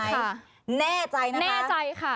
ใช่ค่ะแน่ใจนะแน่ใจค่ะ